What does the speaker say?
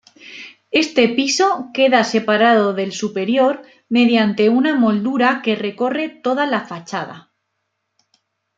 Este piso queda separado del superior mediante una moldura que recorre toda la fachada.